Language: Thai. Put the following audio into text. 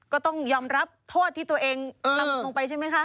ก็ต้องยอมรับโทษที่ตัวเองทำลงไปใช่ไหมคะ